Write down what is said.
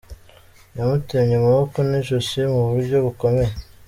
Yamutemmye amaboko n’ijosi mu buryo bukomeye.